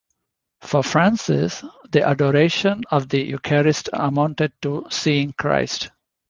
For Francis, the adoration of the Eucharist amounted to "seeing Christ".